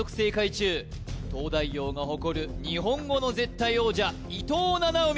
中東大王が誇る日本語の絶対王者伊藤七海